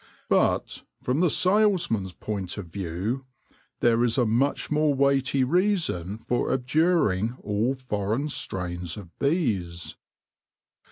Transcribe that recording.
But, from the salesman's point of view, there is a much more weighty reason for abjuring all foreign strains of bees.